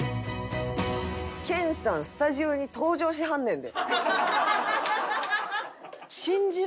研さんスタジオに登場しはんねんで。